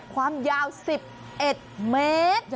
ความยาว๑๑เมตร